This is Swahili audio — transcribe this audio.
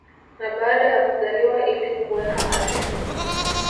na baada ya kuzaliwa ili kuweka afya